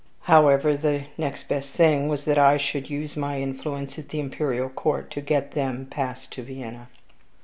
However, the next best thing was that I should use my influence at the imperial court to get them passed to Vienna.